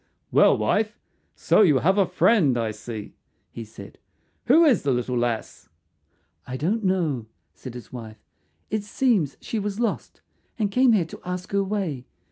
"Well, wife, so you have a friend, I see," he said. "Who is the little lass?" "I don't know," said his wife. "It seems she was lost, and came here to ask her way.